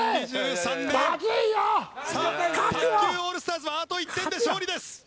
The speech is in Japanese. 卓球オールスターズはあと１点で勝利です。